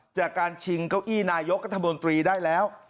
จากการชิงเก้าอี้นายกัธมนตรีได้แล้ว